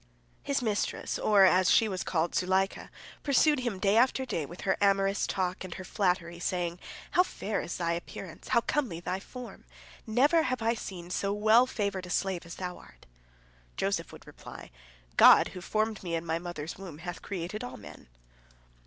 His mistress, or, as she was called, Zuleika, pursued him day after day with her amorous talk and her flattery, saying: "How fair is thy appearance, how comely thy form! Never have I seen so well favored a slave as thou art." Joseph would reply: "God, who formed me in my mother's womb, hath created all men."